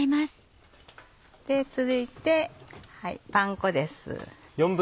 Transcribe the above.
続いてパン粉です。